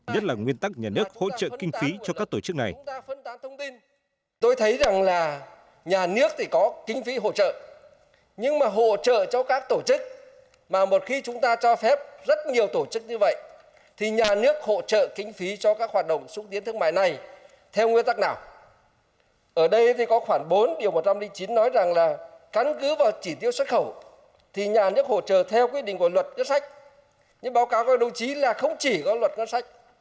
nhất là nguyên tắc nhà nước hỗ trợ kinh phí cho các tổ chức này